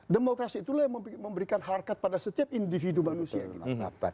demokrasi itulah yang memberikan harkat pada setiap individu manusia yang dilakukan